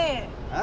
え？